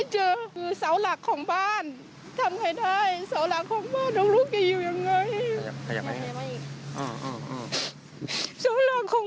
ชาวหลังของมัน